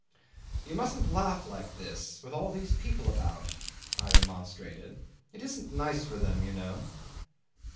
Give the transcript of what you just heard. '"You mustn't laugh like this, with all these people about," I remonstrated. "It isn't nice for them, you know."